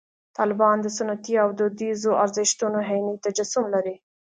طالبان د سنتي او دودیزو ارزښتونو عیني تجسم لري.